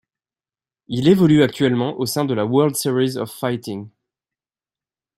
Il évolue actuellement au sein de la World Series of Fighting.